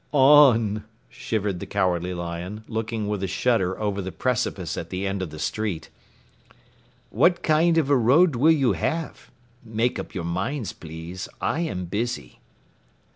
"On," shivered the Cowardly Lion, looking with a shudder over the precipice at the end of the street. "What kind of a road will you have? Make up your minds, please. I am busy."